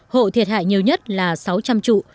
hộ thiệt hại nhiều nhất là sáu trăm linh trụ